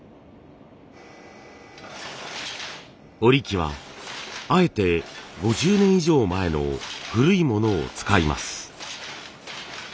織り機はあえて５０年以上前の古いものを使います。